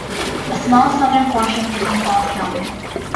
A small southern portion is in Falls County.